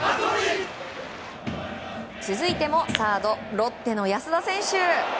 続いてもサードロッテの安田選手。